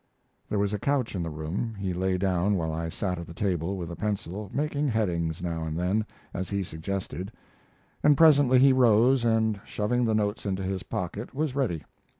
There was a couch in the room. He lay down while I sat at the table with a pencil, making headings now and then, as he suggested, and presently he rose and, shoving the notes into his pocket, was ready.